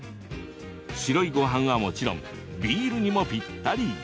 白いごはんは、もちろんビールにもぴったり。